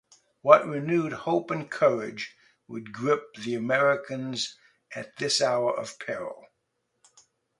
What renewed hope and courage would grip the Americans at this hour of peril.